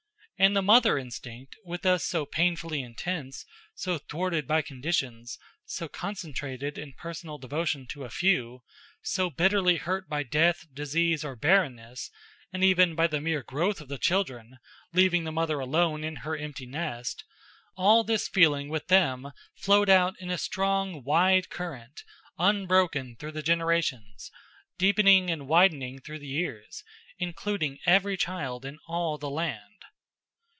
And the mother instinct, with us so painfully intense, so thwarted by conditions, so concentrated in personal devotion to a few, so bitterly hurt by death, disease, or barrenness, and even by the mere growth of the children, leaving the mother alone in her empty nest all this feeling with them flowed out in a strong, wide current, unbroken through the generations, deepening and widening through the years, including every child in all the land.